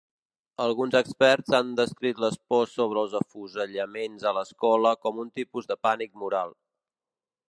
Alguns experts han descrit les pors sobre els afusellaments a l'escola com un tipus de pànic moral.